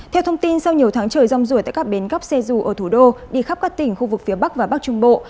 theo thông tin sau nhiều tháng trời rong rủi tại các bến góc xe dù ở thủ đô đi khắp các tỉnh khu vực phía bắc và bắc trung bộ